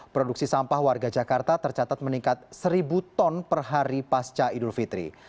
produksi sampah warga jakarta tercatat meningkat seribu ton per hari pasca idul fitri